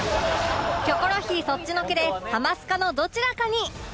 『キョコロヒー』そっちのけで『ハマスカ』のどちらかに！